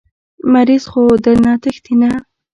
مريض خو درنه تښتي نه.